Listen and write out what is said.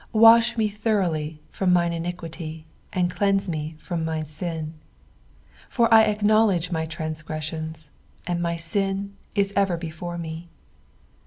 2 Wash me throughly from mine iniquity, and cleanse me from my sin. 3 For I acknowledge my transgressions : and my sin is ever before me.